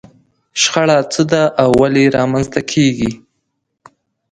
شخړه څه ده او ولې رامنځته کېږي؟